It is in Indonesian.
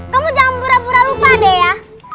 kamu jangan pura pura lupa deh ya